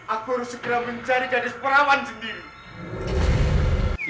aku harus segera mencari gadis perawan sendiri